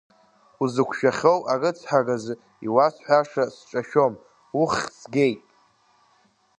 Узықәшәахьоу арыцҳаразы иуасҳәаша сҿашәом, уххь згеит!